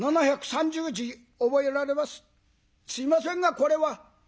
「すいませんがこれは」。